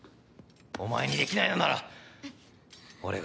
お前にできないのなら俺が。